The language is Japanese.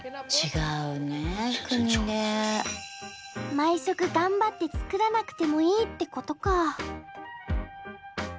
毎食頑張って作らなくてもいいってことか。